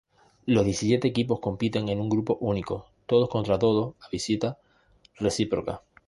Los diecisiete equipos compiten en un grupo único, todos contra todos a visita reciproca.